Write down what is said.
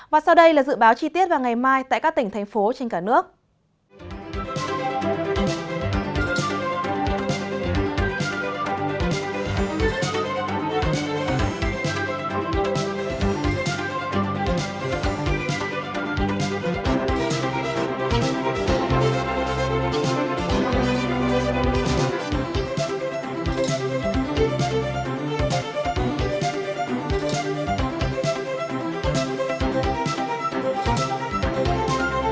và sau đây là dự báo chi tiết vào ngày mai tại các tỉnh thành phố trên cả nước